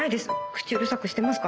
口うるさくしてますから。